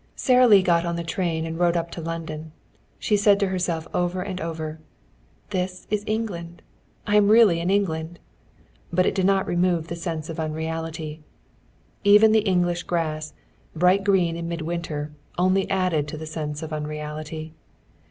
Sara Lee got on the train and rode up to London. She said to herself over and over: "This is England. I am really in England." But it did not remove the sense of unreality. Even the English grass, bright green in midwinter, only added to the sense of unreality.